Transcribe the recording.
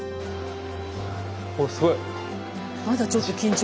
おっすごい！